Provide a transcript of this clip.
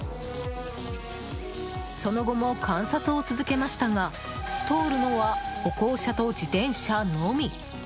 その後も観察を続けましたが通るのは歩行者と自転車のみ。